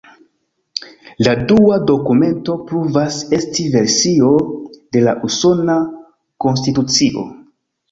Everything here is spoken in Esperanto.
La dua dokumento pruvas esti versio de la Usona Konstitucio.